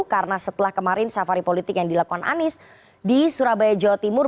karena setelah kemarin safari politik yang dilakukan anies di surabaya jawa timur